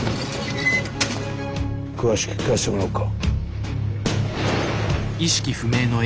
詳しく聞かせてもらおうか。